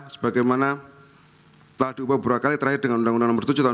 sebagaimana telah diubah beberapa kali terakhir dengan undang undang nomor tujuh tahun dua ribu